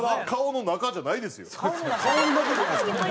顔の中じゃないですか。